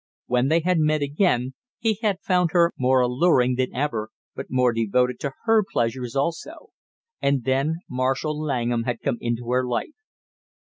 When they met again he had found her more alluring than ever, but more devoted to her pleasures also; and then Marshall Langham had come into her life.